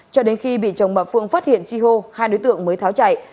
cho đến khi bị chồng bà phượng phát hiện tri hô hai đối tượng mới tháo chạy